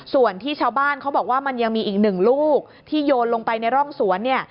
ส่วนที่ชาวบ้านเขาบอกว่ามันยังมีอีกหนึ่งลูกที่โยนลงไปในร่องสวนเนี่ย